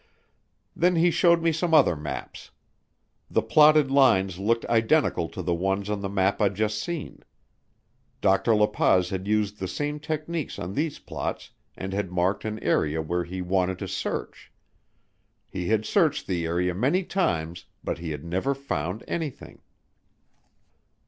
Then he showed me some other maps. The plotted lines looked identical to the ones on the map I'd just seen. Dr. La Paz had used the same techniques on these plots and had marked an area where he wanted to search. He had searched the area many times but he had never found anything.